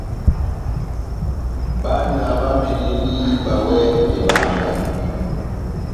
Bána bamɛdɛndi ihíba iwɛ mebanga.